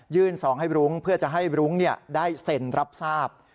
สองให้รุ้งเพื่อจะให้รุ้งได้เซ็นรับทราบ